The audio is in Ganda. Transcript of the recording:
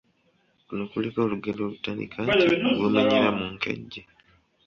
Kuno kuliko olugero olutandika nti : Gw'omenyera mu nkejje,………